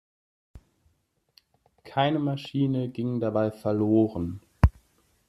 Keine Maschine ging dabei verloren.